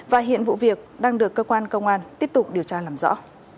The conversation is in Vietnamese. và hiện vụ việc đang được cơ quan công an tiếp tục điều tra làm rõ